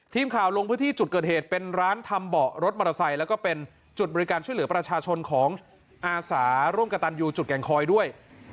ทีมข่าวลงพื้นที่จุดเกิดเหตุเป็นร้านทำเบาะรถมอเตอร์ไซค์แล้วก็เป็นจุดบริการช่วยเหลือประชาชนของอาสาร่วมกระตันยูจุดแก่งคอยด้วย